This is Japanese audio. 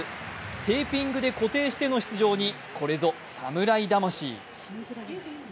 テーピングで固定しての出場に、これぞ侍魂。